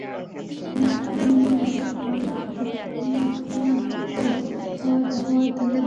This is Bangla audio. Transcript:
তিন দিন আগে তিনি মোটরসাইকেল দুর্ঘটনায় আহত হওয়ায় তাঁকে দেখতে আসেন আমিনুল।